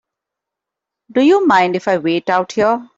Do you mind if I wait out here?